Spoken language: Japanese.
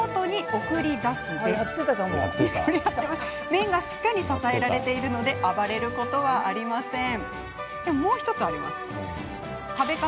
麺がしっかり支えられているので暴れることはありません。